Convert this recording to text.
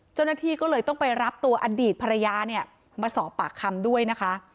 เจ้าหน้าที่ก็เลยต้องไปรับตัวอดีตภรรยาเนี่ยมาสอบปากคำด้วยนะคะ